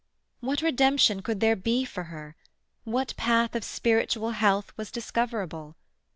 What redemption could there be for her? What path of spiritual health was discoverable?